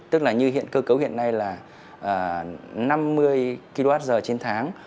tức là như hiện cơ cấu hiện nay là năm mươi kwh trên tháng